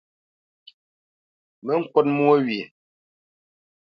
Mə ŋkút mwô wye!